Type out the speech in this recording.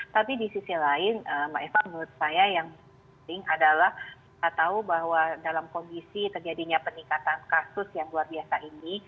tapi di sisi lain mbak eva menurut saya yang penting adalah kita tahu bahwa dalam kondisi terjadinya peningkatan kasus yang luar biasa ini